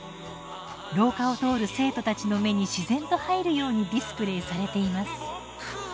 廊下を通る生徒たちの目に自然と入るようにディスプレーされています。